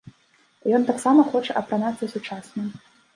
І ён таксама хоча апранацца сучасна.